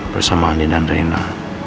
bersama andi dan reina